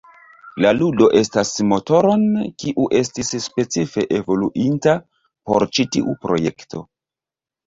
La ludo uzas motoron kiu estis specife evoluinta por ĉi tiu projekto.